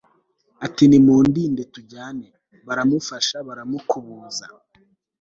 ati 'nimundine tujyane.' baramufasha baramukubuza